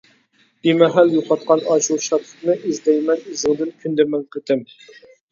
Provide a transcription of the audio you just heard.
بىمەھەل يوقاتقان ئاشۇ شادلىقنى، ئىزدەيمەن ئىزىڭدىن كۈندە مىڭ قېتىم.